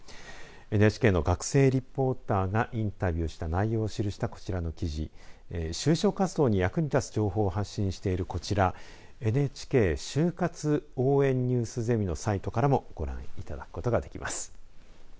ＮＨＫの学生リポーターがインタビューした内容を記したこちらの記事就職活動に役に立つ情報を発信しているこちらＮＨＫ就活応援ニュースゼミのサイトからもご覧いただくことができます。